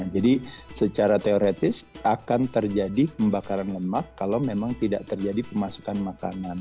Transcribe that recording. jadi secara teoretis akan terjadi pembakaran lemak kalau memang tidak terjadi pemasukan makanan